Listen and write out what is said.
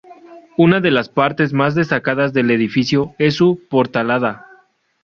Una de las partes más destacadas del edificio es su portalada.